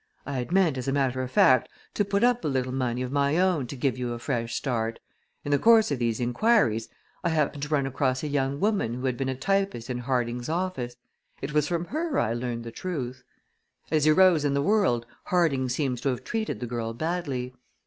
I had meant, as a matter of fact, to put up a little money of my own to give you a fresh start. In the course of these inquiries I happened to run across a young woman who had been a typist in Harding's office. It was from her I learned the truth. As he rose in the world Harding seems to have treated the girl badly.